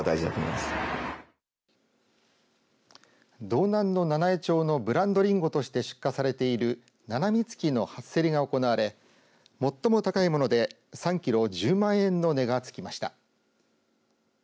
道南の七飯町のブランドりんごとして出荷されているななみつきの初競りが行われ最も高いもので３キロ１０万円の値がつきました。